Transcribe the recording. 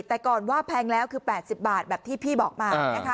แต่ก่อนว่าแพงแล้วคือ๘๐บาทแบบที่พี่บอกมานะคะ